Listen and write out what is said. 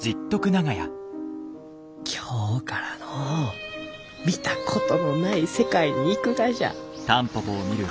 今日からのう見たことのない世界に行くがじゃ。